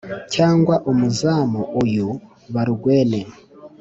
cyangwa umuzamu uyu barugwene